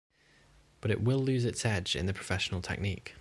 But it will lose it's edge in the professional technique.